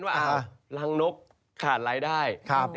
ว่ารังนกขาดรายได้